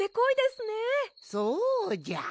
そうじゃ。